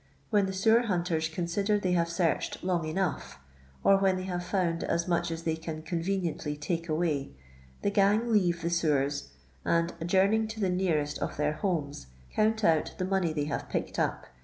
When the sewer nunters consider they have searched long enough, or when they have found as much as they can conveniently take away, the gang leave the sewers and, adjourning to the nearest of their homes, count nut the money they have picked up.